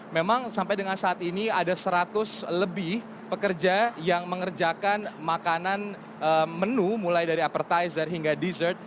memang sampai dengan saat ini ada seratus lebih pekerja yang mengerjakan makanan menu mulai dari appetizer hingga dessert